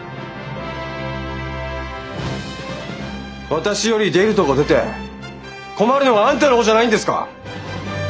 私より出るとこ出て困るのはあんたの方じゃないんですか？